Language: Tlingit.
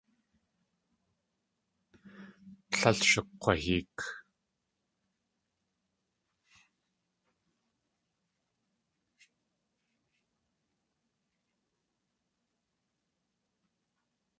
Tlél shakg̲waheek.